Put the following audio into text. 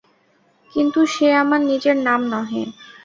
কিন্তু সে আমার নিজের নাম নহে।